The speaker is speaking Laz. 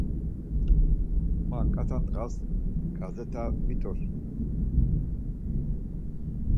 Ma ǩat̆a ndğas ǩazeta vit̆ur.